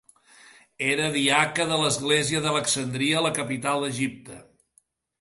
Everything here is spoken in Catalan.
Era diaca a l'església d'Alexandria, la capital d'Egipte.